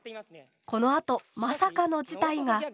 このあとまさかの事態が。